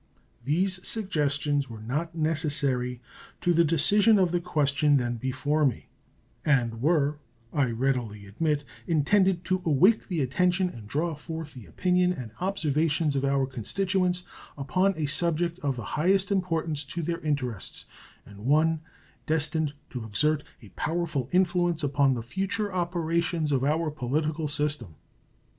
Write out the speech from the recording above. These suggestions were not necessary to the decision of the question then before me, and were, I readily admit, intended to awake the attention and draw forth the opinion and observations of our constituents upon a subject of the highest importance to their interests, and one destined to exert a powerful influence upon the future operations of our political system.